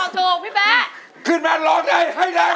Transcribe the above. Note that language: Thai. เพลงนี้อยู่ในอาราบัมชุดแรกของคุณแจ็คเลยนะครับ